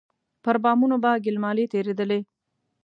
پر بامونو به ګيل مالې تېرېدلې.